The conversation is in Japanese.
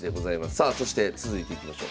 さあそして続いていきましょう。